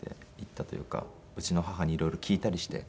うちの母に色々聞いたりして。